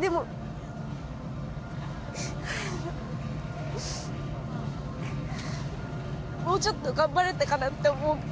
でも、もうちょっと頑張れたかなって思うから。